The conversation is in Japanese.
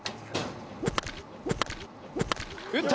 打った！